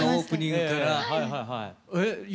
はいはいはい。